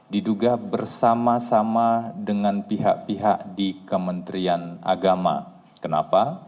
diduga bersama sama dengan pihak pihak di kementerian agama kenapa